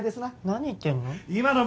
何言ってるの？